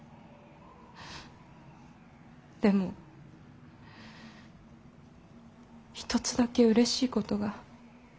でも一つだけうれしいことが。